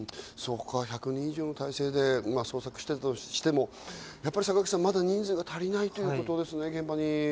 １００人以上の態勢で捜索したとしても坂口さん、まだ人数が足りないということですね。